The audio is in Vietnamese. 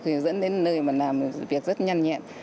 thì dẫn đến nơi làm việc rất nhanh nhẹn